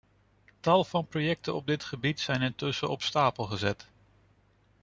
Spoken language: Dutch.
Tal van projecten op dit gebied zijn intussen op stapel gezet.